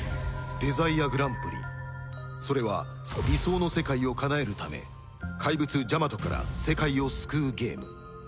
デザイアグランプリそれは理想の世界をかなえるため怪物ジャマトから世界を救うゲーム